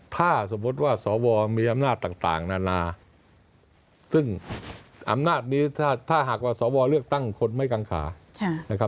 ถ้าสมมุติว่าสวมีอำนาจต่างนานาซึ่งอำนาจนี้ถ้าหากว่าสวเลือกตั้งคนไม่กังขานะครับ